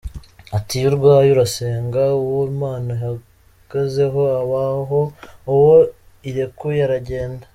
Ati “Iyo urwaye urasenga, uwo Imana ihagazeho abaho, uwo irekuye aragenda.